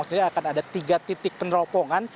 pertama sendiri akan ada tiga titik peneropongan